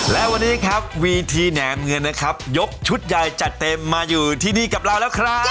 และวันนี้ครับวีทีแหนมเงินนะครับยกชุดใหญ่จัดเต็มมาอยู่ที่นี่กับเราแล้วครับ